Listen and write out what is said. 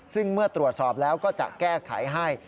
ซึ่งเมื่อตรวจสอบแล้วก็จะแก้ไขให้